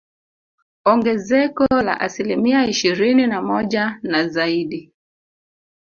Ongezeko la asilimia ishirini na moja na zaidi